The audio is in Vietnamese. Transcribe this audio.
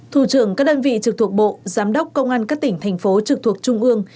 thủ trưởng các đơn vị trực thuộc bộ giám đốc công an các tỉnh thành phố trực thuộc trung ương